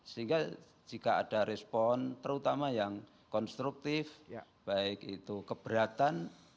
sehingga jika ada respon terutama yang konstruktif baik itu keberatan